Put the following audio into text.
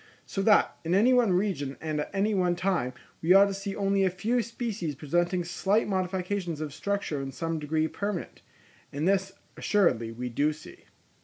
So that, in any one region and at any one time, we ought to see only a few species presenting slight modifications of structure in some degree permanent; and this assuredly we do see.